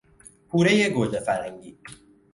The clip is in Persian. پورهی گوجه فرنگی